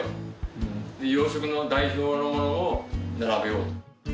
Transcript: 洋食の代表のものを並べよう。